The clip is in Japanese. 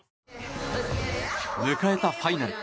迎えたファイナル。